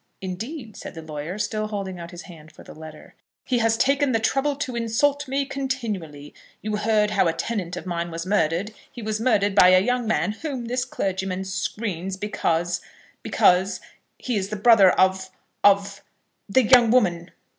"Indeed!" said the lawyer, still holding out his hand for the letter. "He has taken the trouble to insult me continually. You heard how a tenant of mine was murdered? He was murdered by a young man whom this clergyman screens, because, because, he is the brother of, of, of the young woman."